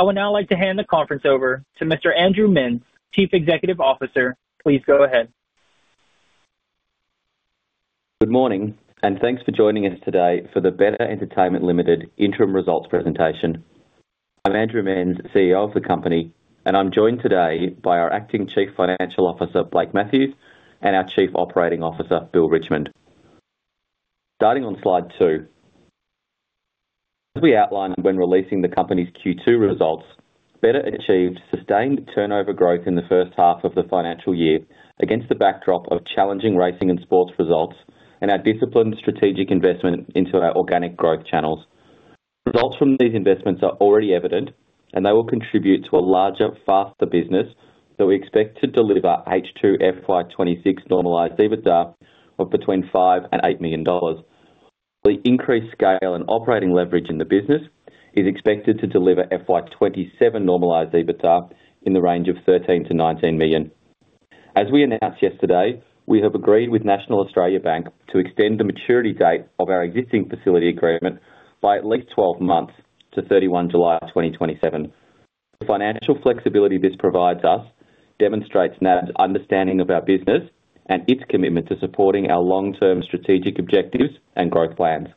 I would now like to hand the conference over to Mr. Andrew Menz, Chief Executive Officer. Please go ahead. Good morning. Thanks for joining us today for the Betr Entertainment Limited interim results presentation. I'm Andrew Menz, CEO of the company, and I'm joined today by our acting Chief Financial Officer, Blake Matthews, and our Chief Operating Officer, Bill Richmond. Starting on slide 2. As we outlined when releasing the company's Q2 results, Betr achieved sustained turnover growth in the first half of the financial year against the backdrop of challenging racing and sports results and our disciplined strategic investment into our organic growth channels. Results from these investments are already evident, and they will contribute to a larger, faster business that we expect to deliver H2 FY 2026 normalized EBITDA of between 5 million and 8 million dollars. The increased scale and operating leverage in the business is expected to deliver FY 2027 normalized EBITDA in the range of 13-19 million. As we announced yesterday, we have agreed with National Australia Bank to extend the maturity date of our existing facility agreement by at least 12 months to 31 July 2027. The financial flexibility this provides us demonstrates NAB's understanding of our business and its commitment to supporting our long-term strategic objectives and growth plans.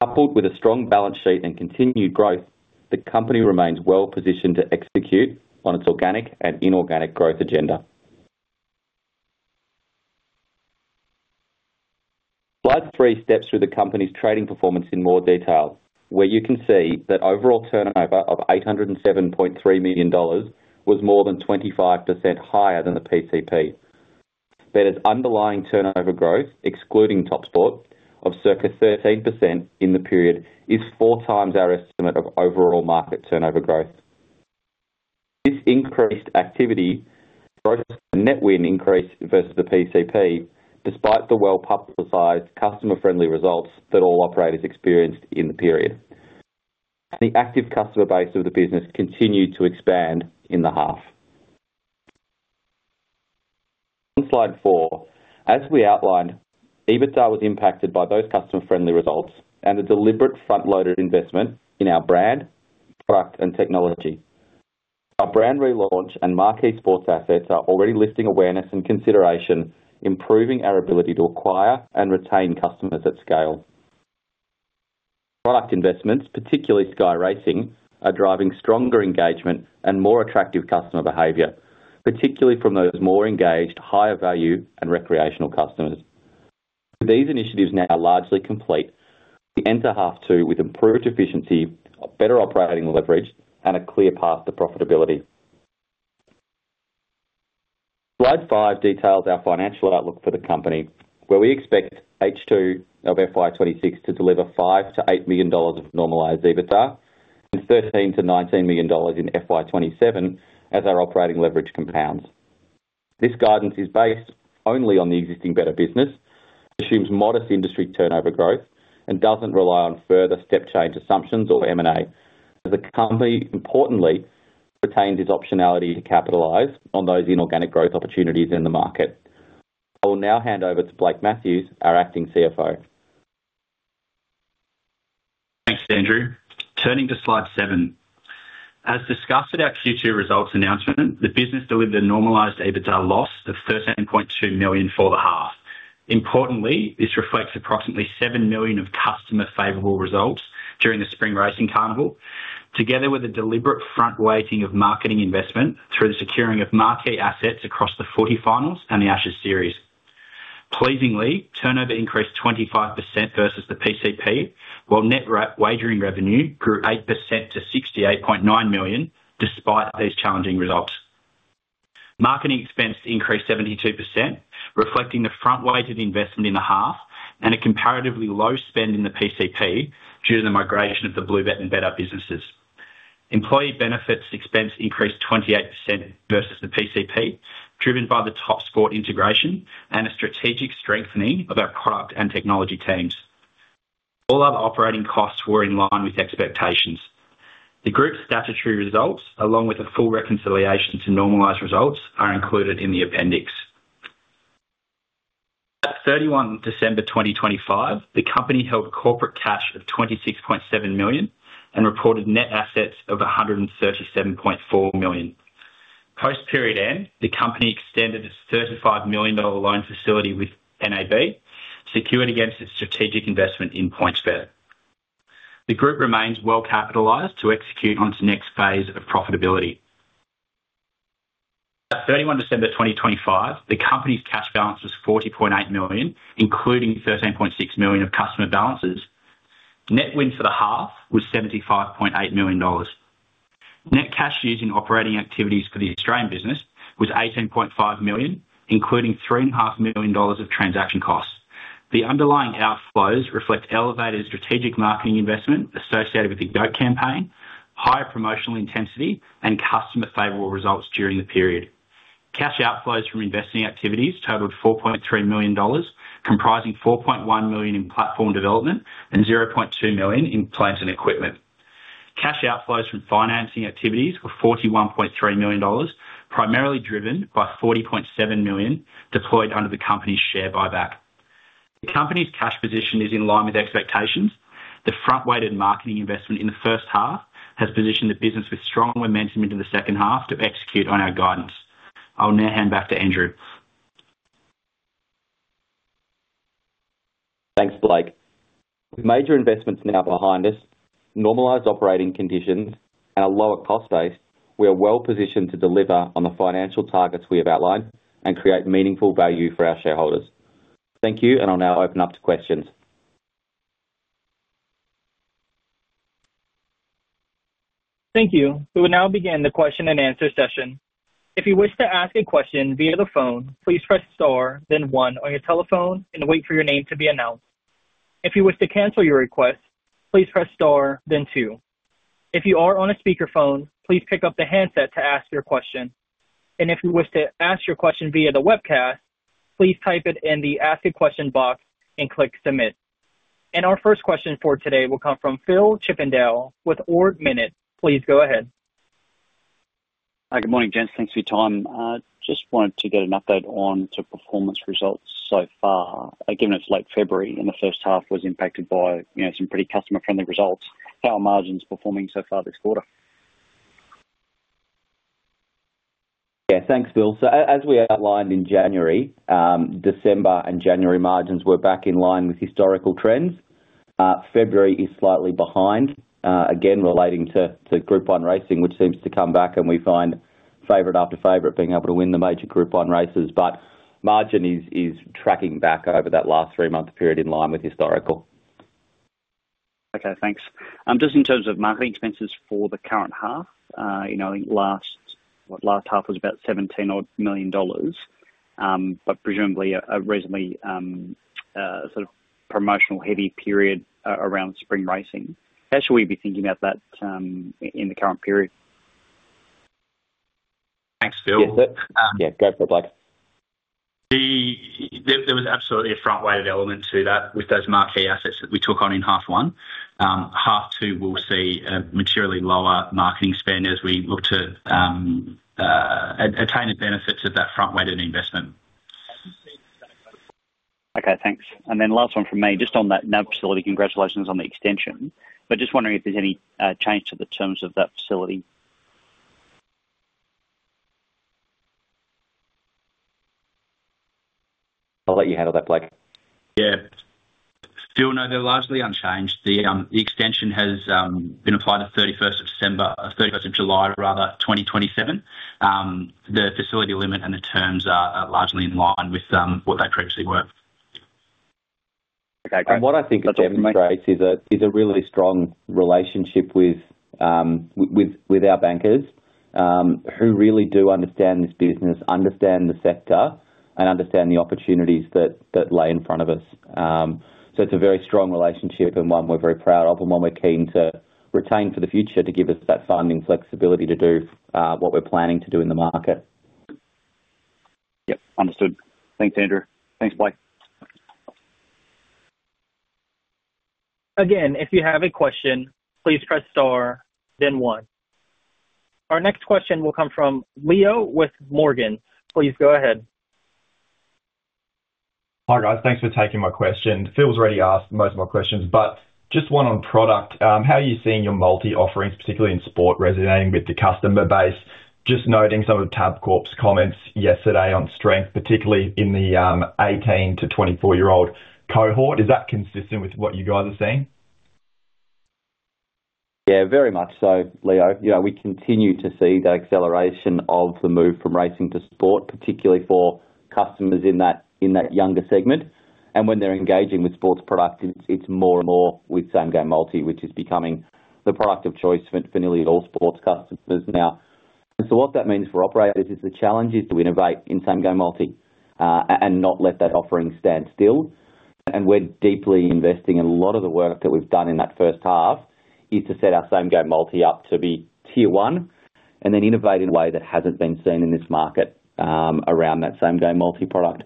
Coupled with a strong balance sheet and continued growth, the company remains well-positioned to execute on its organic and inorganic growth agenda. Slide 3 steps through the company's trading performance in more detail, where you can see that overall turnover of 807.3 million dollars was more than 25% higher than the PCP. Betr's underlying turnover growth, excluding Top Sport, of circa 13% in the period, is 4 times our estimate of overall market turnover growth. This increased activity brought a Net Win increase versus the PCP, despite the well-publicized, customer-friendly results that all operators experienced in the period. The active customer base of the business continued to expand in the half. On slide four, as we outlined, EBITDA was impacted by those customer-friendly results and a deliberate front-loaded investment in our brand, product, and technology. Our brand relaunch and marquee sports assets are already lifting awareness and consideration, improving our ability to acquire and retain customers at scale. Product investments, particularly Sky Racing, are driving stronger engagement and more attractive customer behavior, particularly from those more engaged, higher value, and recreational customers. These initiatives now are largely complete. We enter half two with improved efficiency, a better operating leverage, and a clear path to profitability. Slide 5 details our financial outlook for the company, where we expect H2 of FY 2026 to deliver 5-8 million dollars of Normalized EBITDA and 13-19 million dollars in FY 2027 as our operating leverage compounds. This guidance is based only on the existing Betr business, assumes modest industry turnover growth, and doesn't rely on further step change assumptions or M&A, as the company importantly retains its optionality to capitalize on those inorganic growth opportunities in the market. I will now hand over to Blake Matthews, our Acting CFO. Thanks, Andrew. Turning to slide 7. As discussed at our Q2 results announcement, the business delivered a Normalized EBITDA loss of 13.2 million for the half. Importantly, this reflects approximately 7 million of customer-favorable results during the Spring Racing Carnival, together with a deliberate front-weighting of marketing investment through the securing of marquee assets across the footy finals and the Ashes series. Pleasingly, turnover increased 25% versus the PCP, while Net Wagering Revenue grew 8% to 68.9 million, despite these challenging results. Marketing expense increased 72%, reflecting the front-weighted investment in the half and a comparatively low spend in the PCP due to the migration of the BlueBet and Betr businesses. Employee benefits expense increased 28% versus the PCP, driven by the Top Sport integration and a strategic strengthening of our product and technology teams. All other operating costs were in line with expectations. The group's statutory results, along with a full reconciliation to Normalized results, are included in the appendix. At 31 December 2025, the company held corporate cash of 26.7 million and reported net assets of 137.4 million. Post period end, the company extended its 35 million dollar loan facility with NAB, secured against its strategic investment in PointsBet. The group remains well-capitalized to execute on to next phase of profitability. At 31 December 2025, the company's cash balance was 40.8 million, including 13.6 million of customer balances. Net Win for the half was 75.8 million dollars. Net cash used in operating activities for the Australian business was 18.5 million, including three and a half million dollars of transaction costs. The underlying outflows reflect elevated strategic marketing investment associated with The GOAT, higher promotional intensity, and customer-favorable results during the period. Cash outflows from investing activities totaled 4.3 million dollars, comprising 4.1 million in platform development and 0.2 million in plants and equipment. Cash outflows from financing activities were 41.3 million dollars, primarily driven by 40.7 million deployed under the company's share buyback. The company's cash position is in line with expectations. The front-weighted marketing investment in the first half has positioned the business with strong momentum into the second half to execute on our guidance. I'll now hand back to Andrew. Thanks, Blake. With major investments now behind us, normalized operating conditions and a lower cost base, we are well positioned to deliver on the financial targets we have outlined and create meaningful value for our shareholders. Thank you. I'll now open up to questions. Thank you. We will now begin the question and answer session. If you wish to ask a question via the phone, please press star, then one on your telephone and wait for your name to be announced. If you wish to cancel your request, please press star, then two. If you are on a speakerphone, please pick up the handset to ask your question. If you wish to ask your question via the webcast, please type it in the ask a question box and click submit. Our first question for today will come from Phil Chippendale with Ord Minnett. Please go ahead. Hi. Good morning, gents. Thanks for your time. Just wanted to get an update on to performance results so far, again, it's late February, and the first half was impacted by, you know, some pretty customer-friendly results. How are margins performing so far this quarter? Thanks, Phil. As we outlined in January, December and January margins were back in line with historical trends. February is slightly behind, again, relating to Group 1 racing, which seems to come back, and we find favorite after favorite being able to win the major Group 1 races. Margin is tracking back over that last 3-month period in line with historical. Okay, thanks. Just in terms of marketing expenses for the current half, you know, last half was about 17 odd million, but presumably a reasonably sort of promotional heavy period around Spring Racing. How should we be thinking about that in the current period? Thanks, Phil. Yeah. Go for it, Blake. There was absolutely a front-weighted element to that with those marquee assets that we took on in H1. H2, we'll see a materially lower marketing spend as we look to attain the benefits of that front-weighted investment. Okay, thanks. Last one from me, just on that NAB facility, congratulations on the extension, but just wondering if there's any change to the terms of that facility? I'll let you handle that, Blake. Yeah. Phil, no, they're largely unchanged. The extension has been applied to 31st of December, 31st of July, rather, 2027. The facility limit and the terms are largely in line with what they previously were. Okay, great. What I think it demonstrates is a really strong relationship with our bankers, who really do understand this business, understand the sector, and understand the opportunities that lay in front of us. It's a very strong relationship and one we're very proud of and one we're keen to retain for the future to give us that funding flexibility to do what we're planning to do in the market. Yep. Understood. Thanks, Andrew. Thanks, Blake. If you have a question, please press star, then one. Our next question will come from Leo with Morgan. Please go ahead. Hi, guys. Thanks for taking my question. Phil's already asked most of my questions, but just one on product. How are you seeing your multi offerings, particularly in sport, resonating with the customer base? Just noting some of the Tabcorp's comments yesterday on strength, particularly in the 18-24-year-old cohort. Is that consistent with what you guys are seeing? Yeah, very much so, Leo. You know, we continue to see the acceleration of the move from racing to sport, particularly for customers in that younger segment. When they're engaging with sports products, it's more and more with Same Game Multi, which is becoming the product of choice for nearly all sports customers now. What that means for operators is the challenge is to innovate in Same Game Multi and not let that offering stand still. We're deeply investing, and a lot of the work that we've done in that first half is to set our Same Game Multi up to be tier one, and then innovate in a way that hasn't been seen in this market around that Same Game Multi product.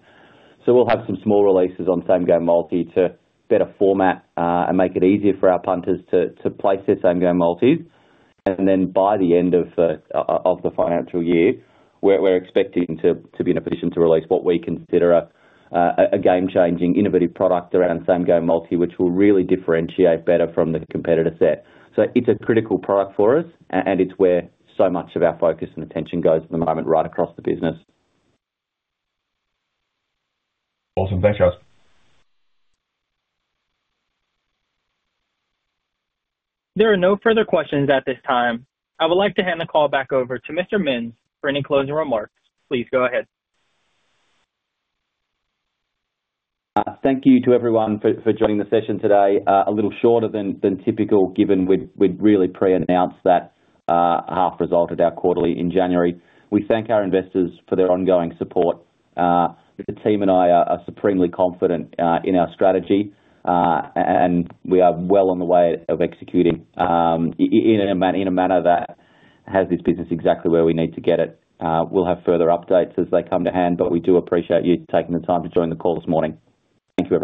We'll have some small releases on Same Game Multi to better format and make it easier for our punters to place their Same Game Multis. Then by the end of the financial year, we're expecting to be in a position to release what we consider a game-changing, innovative product around Same Game Multi, which will really differentiate Betr from the competitor set. It's a critical product for us, and it's where so much of our focus and attention goes at the moment, right across the business. Awesome. Thanks, guys. There are no further questions at this time. I would like to hand the call back over to Mr. Menz for any closing remarks. Please go ahead. Thank you to everyone for joining the session today. A little shorter than typical, given we'd really pre-announced that half result at our quarterly in January. We thank our investors for their ongoing support. The team and I are supremely confident, and we are well on the way of executing in a manner that has this business exactly where we need to get it. We'll have further updates as they come to hand, but we do appreciate you taking the time to join the call this morning. Thank you.